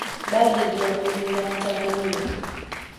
Badru yabuulirira mutabani we.